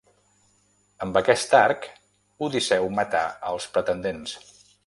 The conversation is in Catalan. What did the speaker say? Amb aquest arc Odisseu matà els pretendents.